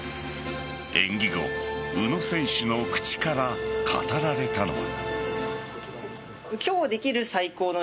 演技後宇野選手の口から語られたのは。